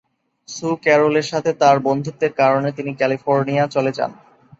সু ক্যারলের সাথে তার বন্ধুত্বের কারণে তিনি ক্যালিফোর্নিয়া চলে যান।